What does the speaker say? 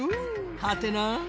はてな。